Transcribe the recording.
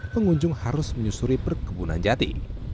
pengunjung harus menyusuri perkebunan jati